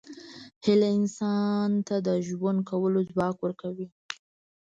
هیله انسان ته د ژوند کولو ځواک ورکوي.